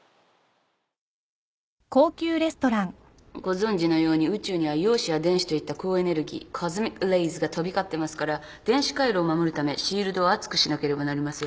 ご存じのように宇宙には陽子や電子といった高エネルギーコズミックレイズが飛び交ってますから電子回路を守るためシールドを厚くしなければなりません。